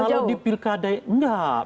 kalau di pilkada enggak